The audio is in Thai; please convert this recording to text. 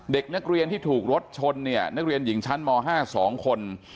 เด็กนักเรียนที่ถูกรถชนเนี่ยนักเรียนหญิงชั้นม๕๒คน